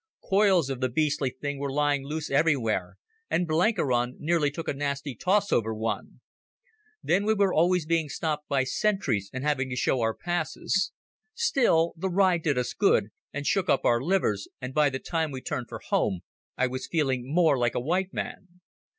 Coils of the beastly thing were lying loose everywhere, and Blenkiron nearly took a nasty toss over one. Then we were always being stopped by sentries and having to show our passes. Still the ride did us good and shook up our livers, and by the time we turned for home I was feeling more like a white man.